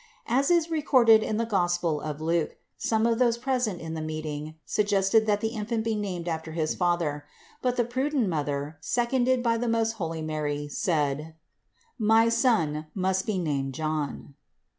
As is recorded in the THE INCARNATION 235 Gospel of saint Luke, some of those present in the meet ing suggested that the infant be named after his father: but the prudent mother, seconded by the most holy Mary, said: "My son must be named John."